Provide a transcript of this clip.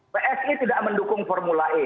psi tidak mendukung formula e